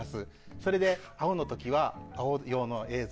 それで、青の時は青用の映像。